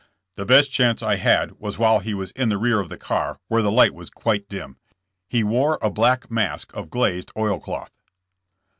* "The best chance I had was while he was in the rear of the car, where the light was quite dim. He wore a black mask of glazed oilcloth."